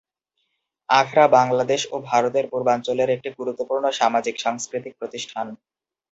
আখড়া বাংলাদেশ ও ভারতের পূর্বাঞ্চলের একটি গুরুত্বপূর্ণ সামাজিক-সাংস্কৃতিক প্রতিষ্ঠান।